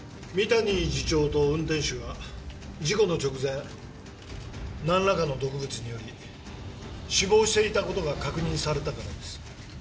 三谷次長と運転手が事故の直前何らかの毒物により死亡していた事が確認されたからです。